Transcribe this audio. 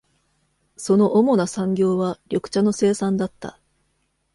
その主な産業は、緑茶の生産だった。